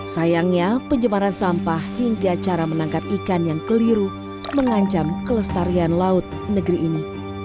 sayangnya penjemaran sampah hingga cara menangkap ikan yang keliru mengancam kelestarian laut negeri ini